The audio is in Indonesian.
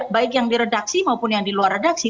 baik yang di redaksi maupun yang di luar redaksi